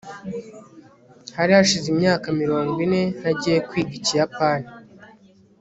hari hashize imyaka mirongo ine ntangiye kwiga ikiyapani